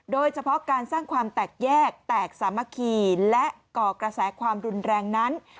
โดยเฉพาะการสร้างความแตกแยกแตกสามัคคีและก่อกระแสความรุนแรงนั้น